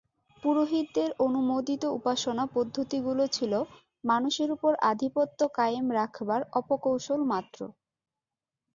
পুরোহিতদের অনুমোদিত উপাসনা পদ্ধতিগুলি ছিল মানুষের উপর আধিপত্য কায়েম রাখবার অপকৌশল মাত্র।